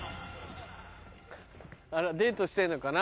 あらデートしてんのかな？